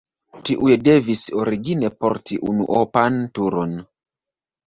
Tiuj devis origine porti unuopan turon.